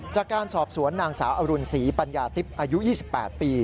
จากการสอบสวนนางสาวอรุณศรีปัญญาติ๊บอายุ๒๘ปี